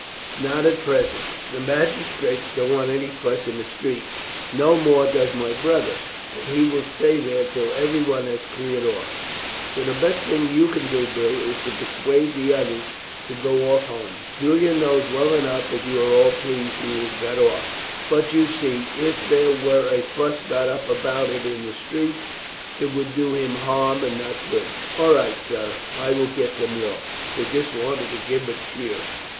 "Not at present. The magistrates don't want any fuss in the streets, no more does my brother, and he will stay there till every one has cleared off, so the best thing you can do, Bill, is to persuade the others to go off home. Julian knows well enough that you are all pleased that he has got off, but you see if there were a fuss got up about it in the streets it would do him harm and not good." "All right, sir, I will get them off. They just wanted to give him a cheer."